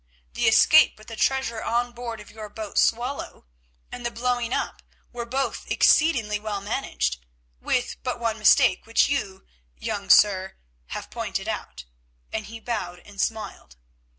The escape with the treasure on board of your boat Swallow, and the blowing up, were both exceedingly well managed, with but one mistake which you, young sir, have pointed out," and he bowed and smiled.